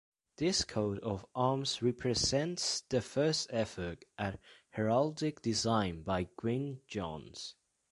This coat of arms represents the first effort at heraldic design by Gwynn-Jones.